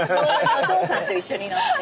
お父さんと一緒に乗って。